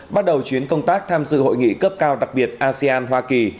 bắt đầu chuyến công tác tham dự hội nghị cấp cao đặc biệt asean hoa kỳ